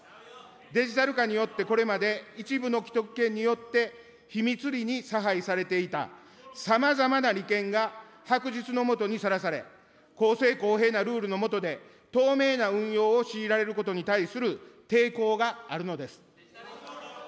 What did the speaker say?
デジタル化によって、これまで一部の既得権によって、秘密裏に差配されていたさまざまな利権が白日の下にさらされ、公正公平なルールの下で、透明な運用を強いられることに対する抵抗があるのです。